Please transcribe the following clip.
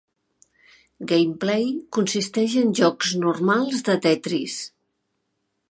Gameplay consisteix en jocs normals de Tetris.